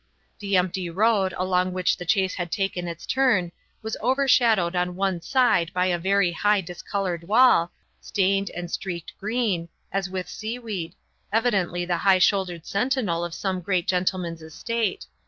The empty road, along which the chase had taken its turn, was overshadowed on one side by a very high discoloured wall, stained, and streaked green, as with seaweed evidently the high shouldered sentinel of some great gentleman's estate.